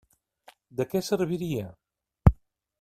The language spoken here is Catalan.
De què serviria?